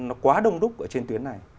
nó quá đông đúc ở trên tuyến này